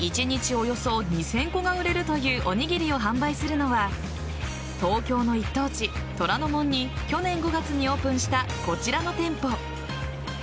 およそ２０００個が売れるというおにぎりを販売するのは東京の一等地・虎ノ門に去年５月にオープンしたこちらの店舗。